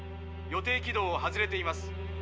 予定軌道を外れています。